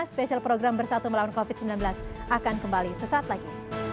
spesial program bersatu melawan covid sembilan belas akan kembali sesaat lagi